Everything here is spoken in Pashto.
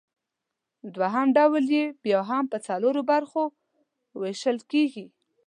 دوهم ډول یې بیا هم پۀ څلورو برخو ویشل کیږي